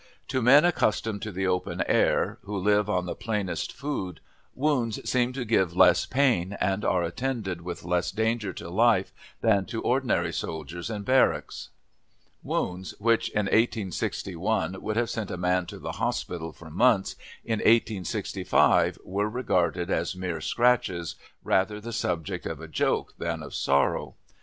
To men accustomed to the open air, who live on the plainest food, wounds seem to give less pain, and are attended with less danger to life than to ordinary soldiers in barracks. Wounds which, in 1861, would have sent a man to the hospital for months, in 1865 were regarded as mere scratches, rather the subject of a joke than of sorrow.